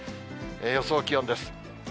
予想気温です。